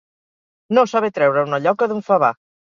No saber treure una lloca d'un favar.